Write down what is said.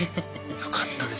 よかったです。